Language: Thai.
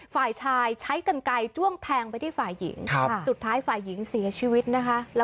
ฝ่ายชายใช้กันไกลจ้วงแทงไปที่ฝ่ายหญิงสุดท้ายฝ่ายหญิงเสียชีวิตนะคะ